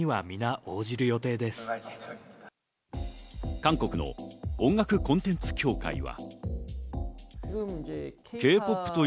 韓国の音楽コンテンツ協会は。